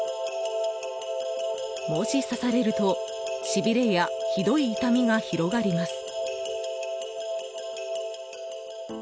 もし刺されると、しびれやひどい痛みが広がります。